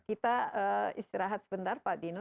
kita istirahat sebentar pak dino